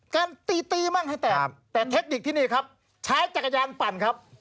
การตีตีมั่งให้แตกแต่เทคนิคที่นี่ครับใช้จักรยานปั่นครับ